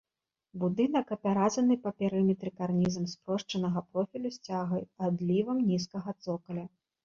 Будынак апяразаны па перыметры карнізам спрошчанага профілю з цягай, адлівам нізкага цокаля.